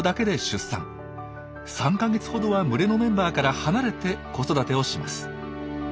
３か月ほどは群れのメンバーから離れて子育てをします。